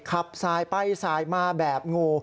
ขับสายไปสายมาแบบงู